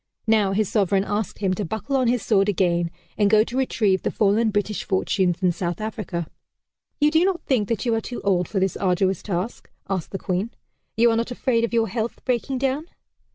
Now his sovereign asked him to buckle on his sword again, and go to retrieve the fallen British fortunes in South Africa. "You do not think that you are too old for this arduous task?" asked the Queen. "You are not afraid of your health breaking down?"